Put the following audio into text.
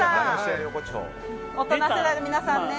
大人世代の皆さんね。